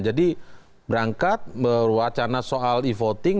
jadi berangkat berwacana soal e voting